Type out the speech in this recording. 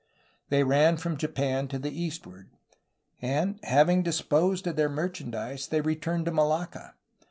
They ran from Japan to the eastward; and, having disposed of their merchandise, they returned to Malacca.